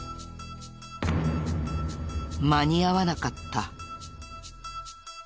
間に合わなかった。